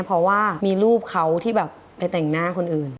เพราะว่ามีรูปเขาที่แบบไปแต่งหน้าคนอื่น